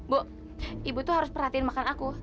bu ibu tuh harus perhatiin makan aku